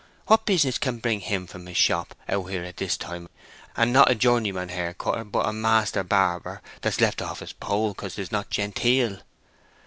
"What business can bring him from his shop out here at this time and not a journeyman hair cutter, but a master barber that's left off his pole because 'tis not genteel!"